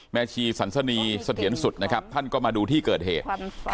ชีสันสนีเสถียรสุดนะครับท่านก็มาดูที่เกิดเหตุ